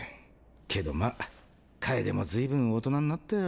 けどまあ楓もずいぶん大人になったよ。